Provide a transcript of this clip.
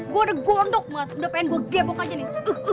gue udah gondok mat udah pengen gue gembok aja nih